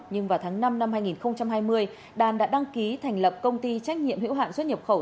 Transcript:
nhưng vào tháng năm năm hai nghìn hai mươi đàn đã đăng ký thành lập công ty trách nhiệm hữu hạn xuất nhập khẩu